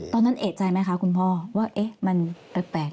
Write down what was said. ตอนนั้นเอกใจไหมคะคุณพ่อว่ามันแปลก